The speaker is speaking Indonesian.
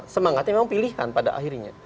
semangatnya memang pilihan pada akhirnya